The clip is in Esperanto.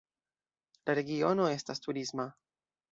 La regiono estas turisma.